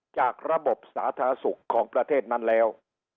จากระบบสาธารณสุขของประเทศนั้นแล้ว